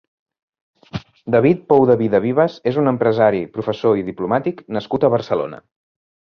David Poudevida-Vives és un empresari, professor i diplomàtic nascut a Barcelona.